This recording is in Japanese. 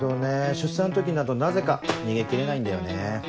出産の時になるとなぜか逃げ切れないんだよね。